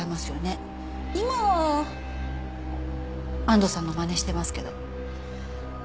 今は安藤さんのまねしてますけど。